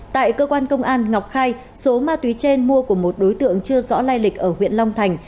tại cơ quan công an ngọc khai số ma túy trên mua của một đối tượng chưa rõ lai lịch ở huyện long thành